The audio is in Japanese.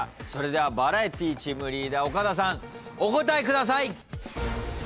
それではバラエティチームリーダー岡田さんお答えください。